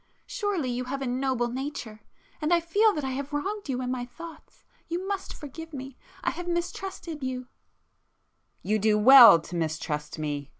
Surely you have a noble nature,—and I feel that I have wronged you in my thoughts, ... you must forgive me—I have mistrusted you—" "You do well to mistrust me!"